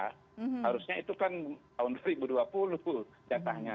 harusnya itu kan tahun dua ribu dua puluh jatahnya